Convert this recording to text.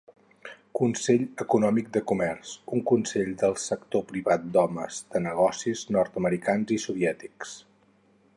Consell econòmic de comerç, un consell del sector privat d'homes de negocis nord-americans i soviètics.